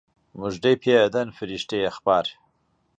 موژدەی پێ ئەدەن فریشتەی ئەخبار